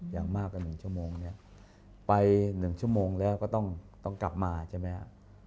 อย่างมากกว่า๑ชั่วโมงเนี่ยไป๑ชั่วโมงแล้วก็ต้องกลับมาใช่ไหมฮะ